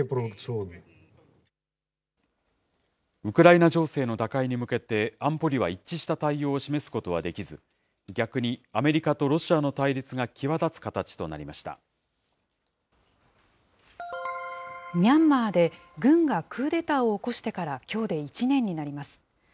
ウクライナ情勢の打開に向けて、安保理は一致した対応を示すことはできず、逆にアメリカとロシアミャンマーで、軍がクーデターを起こしてからきょうで１年になります。